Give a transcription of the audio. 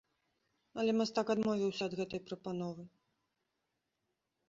Але мастак адмовіўся ад гэтай прапановы.